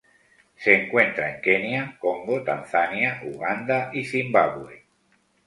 Se encuentra en Kenia, Congo, Tanzania, Uganda y Zimbabue.